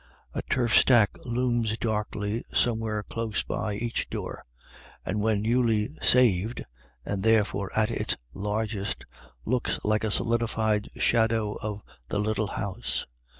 A turf stack looms darkly somewhere close by each door, and when newly " saved," and therefore at its largest, looks like a solidified shadow of the little house.